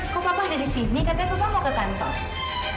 kok papa ada di sini kata papa mau ke kantor